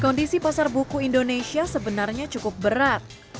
kondisi pasar buku indonesia sebenarnya cukup berat